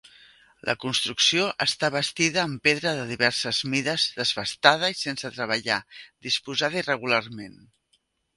La construcció està bastida amb pedra de diverses mides, desbastada i sense treballar, disposada irregularment.